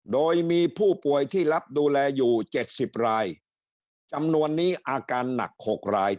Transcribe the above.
โดยมีผู้ป่วยที่รับดูแลอยู่๗๐รายจำนวนนี้อาการหนัก๖ราย